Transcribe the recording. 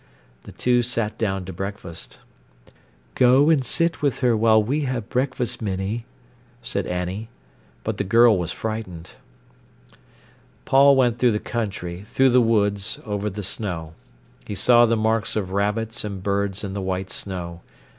The two sat down to breakfast. "Go and sit with her while we have breakfast, Minnie," said Annie. But the girl was frightened. Paul went through the country, through the woods, over the snow. He saw the marks of rabbits and birds in the white snow.